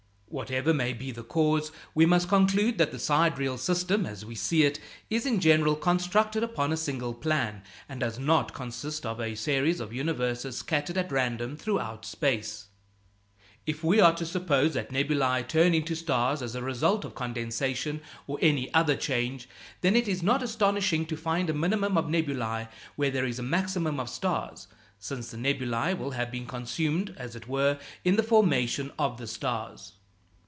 Whatever may be the cause, we must conclude that the sidereal system, as we see it, is in general constructed upon a single plan, and does not consist of a series of universes scattered at random throughout space. If we are to suppose that nebulæ turn into stars as a result of condensation or any other change, then it is not astonishing to find a minimum of nebulæ where there is a maximum of stars, since the nebulæ will have been consumed, as it were, in the formation of the stars. [Illustration: The "Dumb Bell" Nebula. Photographed by Keeler, July 31, 1899. Exposure, three hours.